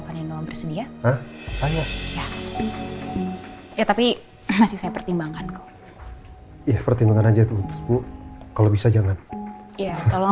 panino bersedia ya tapi masih saya pertimbangkan kok pertimbangan aja kalau bisa jangan ya tolong